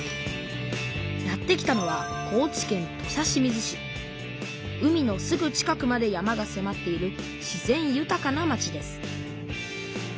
やって来たのは海のすぐ近くまで山がせまっている自然ゆたかな町です